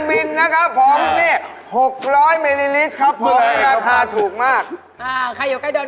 ใครอยู่ใกล้ดนตรฐ์เมืองหนูพวกเขาฉีดไป